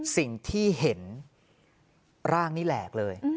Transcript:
สิ่งที่เห็นร่างนี่แหลกเลย